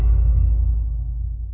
terima kasih mama